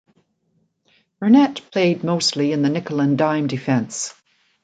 Burnett played mostly in the nickel and dime defense.